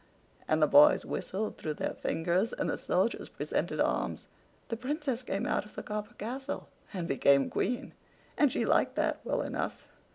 and the boys whistled through their fingers, and the soldiers presented arms. The Princess came out of the copper castle, and became Queen, and she liked that well enough.